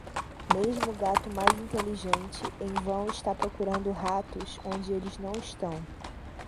Mesmo o gato mais inteligente em vão está procurando ratos onde eles não estão.